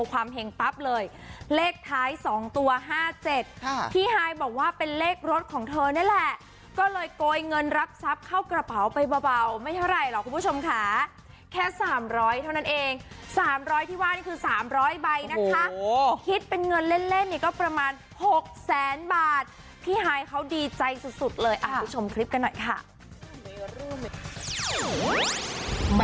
ก็เลยโกยเงินรับทรัพย์เข้ากระเป๋าไปเบาไม่เท่าไรหรอกคุณผู้ชมค่ะแค่๓๐๐เท่านั้นเอง๓๐๐ที่ว่านี่คือ๓๐๐ใบนะคะคิดเป็นเงินเล่นเนี่ยก็ประมาณ๖๐๐๐๐๐บาทพี่ฮายเขาดีใจสุดเลยคุณผู้ชมคลิปกันหน่อยค่ะ